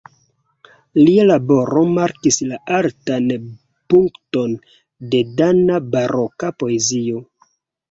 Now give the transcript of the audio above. Lia laboro markis la altan punkton de dana baroka poezio.